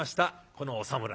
このお侍。